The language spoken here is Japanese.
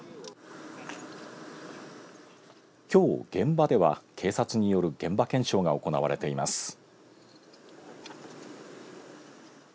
きょう、現場では警察による現場検証が行われています。